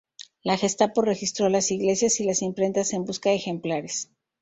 La Gestapo registró las iglesias y las imprentas en busca de ejemplares.